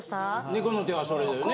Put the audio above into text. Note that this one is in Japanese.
猫の手はそれだよね。